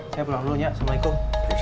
saya beranggul ya assalamualaikum